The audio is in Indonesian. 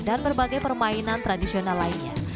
dan berbagai permainan tradisional lainnya